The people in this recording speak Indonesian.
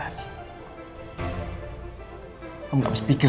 kau gak butuh pikir semacam pikiran kamu